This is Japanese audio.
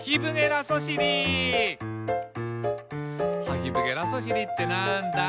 「ハヒブゲラソシリってなんだ？」